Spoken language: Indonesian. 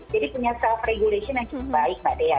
jadi punya self regulation yang baik mbak dea